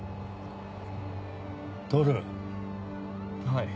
はい。